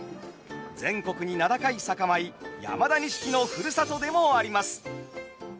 全国に名高い酒米山田錦のふるさとでもあります。